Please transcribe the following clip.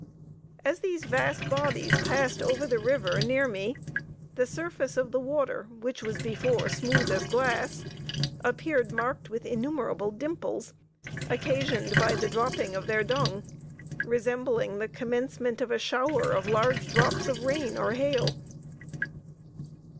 As these vast bodies passed over the river near me, the surface of the water, which was before smooth as glass, appeared marked with innumerable dimples, occasioned by the dropping of their dung, resembling the commencement of a shower of large drops of rain or hail.